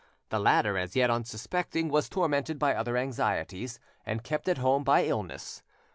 The latter, as yet unsuspecting, was tormented by other anxieties, and kept at home by illness.